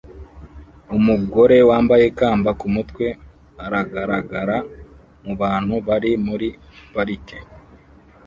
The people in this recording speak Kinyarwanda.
Umugore wambaye ikamba kumutwe aragaragara mubantu bari muri parike